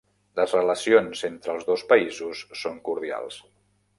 Les relacions entre els dos països són cordials.